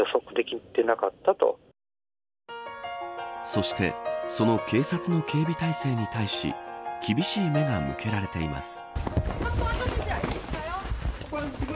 そしてその警察の警備態勢に対し厳しい目が向けられています。